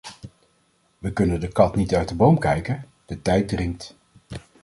We kunnen de kat niet uit de boom kijken: de tijd dringt!